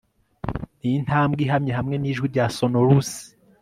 Nintambwe ihamye hamwe nijwi rya sonorous